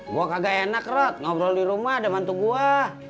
gua kagak enak rod ngobrol di rumah ada mantu gua